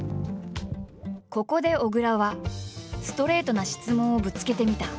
ここで小倉はストレートな質問をぶつけてみた。